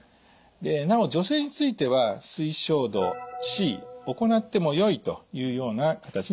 なお女性については推奨度Ｃ行ってもよいというような形にしています。